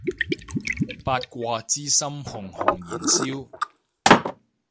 八卦之心熊熊燃燒